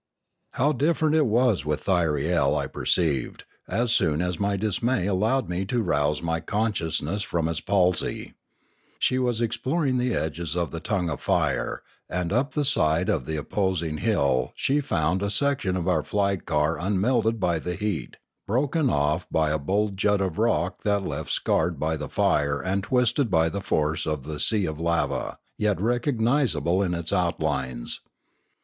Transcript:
How different it was with Thyriel, I perceived, as soon as my dismay allowed me to rouse my conscious ness from its palsy. She was exploring the edges of the tongue of fire; and up the side of the opposing hill she found a section of our flight car unmelted by the heat, broken off by a bold jut of rock and left scarred by the fire and twisted by the force of the sea of lava, yet recognisable in its outlines.